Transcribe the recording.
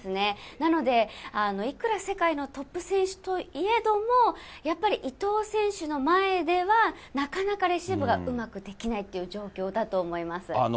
なので、いくら世界のトップ選手といえども、やっぱり伊藤選手の前では、なかなかレシーブがうまくできないっていう状況だと思います。